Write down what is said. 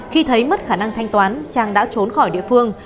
khi thấy mất khả năng thanh toán trang đã trốn khỏi địa phương